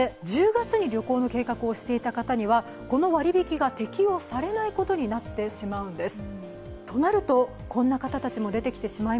１０月に旅行の計画をしていた人には、この割引が適用されなくなってしまうんです。